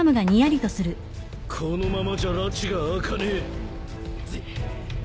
このままじゃらちが明かねえ。